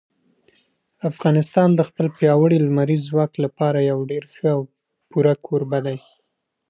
افغانستان د خپل پیاوړي لمریز ځواک لپاره یو ډېر ښه او پوره کوربه دی.